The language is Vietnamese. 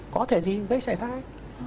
có thể gì gây xảy thai